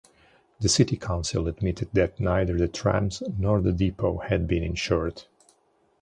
The City Council admitted that neither the trams nor the depot had been insured.